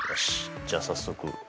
じゃあ早速。